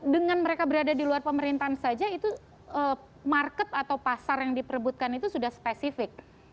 dengan mereka berada di luar pemerintahan saja itu market atau pasar yang diperebutkan itu sudah spesifik